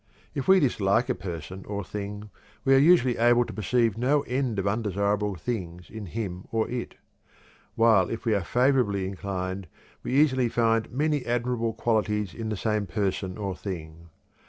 If we dislike a person or thing we are usually able to perceive no end of undesirable things in him or it; while if we are favorably inclined we easily find many admirable qualities in the same person or thing.